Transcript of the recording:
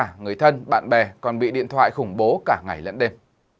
và cả người thân bạn bè còn bị điện thoại khủng bố cả ngày lẫn đêm